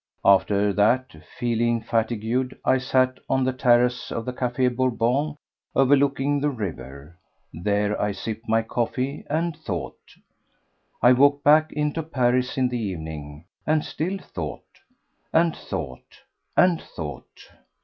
After that, feeling fatigued, I sat on the terrace of the Café Bourbon, overlooking the river. There I sipped my coffee and thought. I walked back into Paris in the evening, and still thought, and thought, and thought.